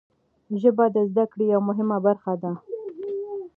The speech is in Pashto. ژبه د زده کړې یوه مهمه برخه ده.